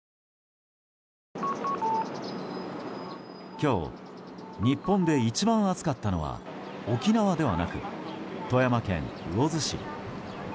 今日、日本で一番暑かったのは沖縄ではなく富山県魚津市。